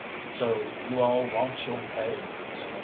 "So you all wants yo' pay?"